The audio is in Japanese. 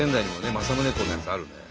政宗公のやつある。